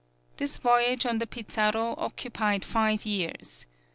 This voyage on the "Pizarro" occupied five years.